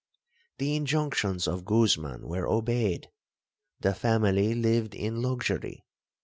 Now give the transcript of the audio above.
'The injunctions of Guzman were obeyed,—the family lived in luxury.